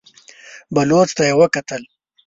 بلوڅ ته يې وکتل.